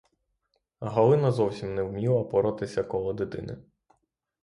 Галина зовсім не вміла поратися коло дитини.